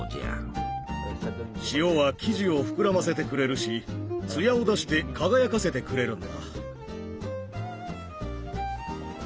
塩は生地を膨らませてくれるしツヤを出して輝かせてくれるんだ。